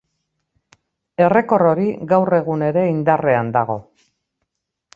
Errekor hori gaur egun ere indarrean dago.